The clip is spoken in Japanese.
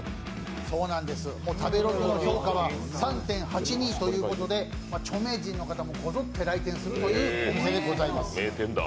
食べログの評価は３．８２ということで著名人の方もこぞって来店するというお店でございます。